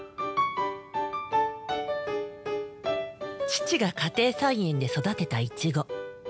父が家庭菜園で育てたイチゴ。